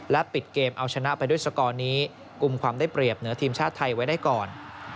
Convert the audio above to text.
ปิดเกมเอาชนะไปด้วยสกอร์นี้กลุ่มความได้เปรียบเหนือทีมชาติไทยไว้ได้ก่อน